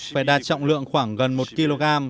phải đạt trọng lượng khoảng gần một kg